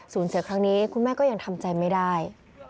เสียครั้งนี้คุณแม่ก็ยังทำใจไม่ได้